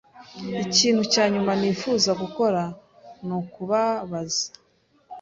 Ikintu cya nyuma nifuza gukora ni ukubabaza.